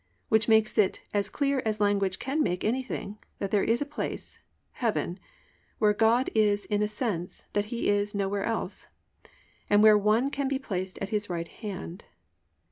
1:20) which makes it as clear as language can make anything that there is a place, heaven, where God is in a sense that He is nowhere else, and where one can be placed at His right hand.